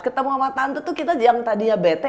ketemu sama tante tuh kita yang tadinya bete